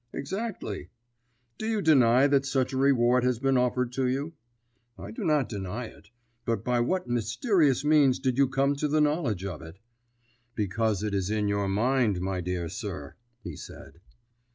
"Exactly." "Do you deny that such a reward has been offered to you?" "I do not deny it; but by what mysterious means did you come to the knowledge of it?" "Because it is in your mind, my dear sir," he said.